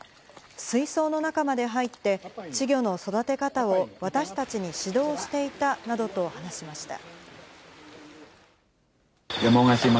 水槽の中まで入って、稚魚の育て方を私たちに指導していたなどと話しました。